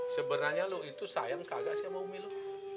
sebenarnya lo itu sayang kagak sih sama umi lo